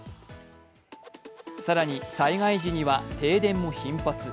更に災害時には停電も頻発。